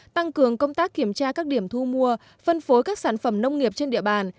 tăng cường công tác kiểm tra các điểm thu mua phân phối các sản phẩm nông nghiệp trên địa bàn